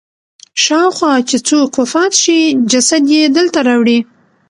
شاوخوا چې څوک وفات شي جسد یې دلته راوړي.